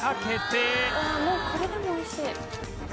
もうこれでも美味しい。